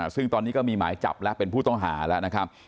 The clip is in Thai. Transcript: ซึ่งตอนนี้ก็มีหมายจับแล้วเป็นผู้ต้องหาแล้วนะครับ